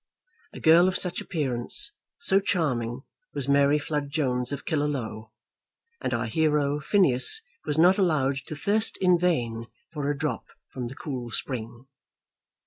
A girl of such appearance, so charming, was Mary Flood Jones of Killaloe, and our hero Phineas was not allowed to thirst in vain for a drop from the cool spring.